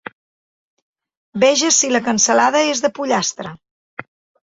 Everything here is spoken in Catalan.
Veges si la cansalada és de pollastre.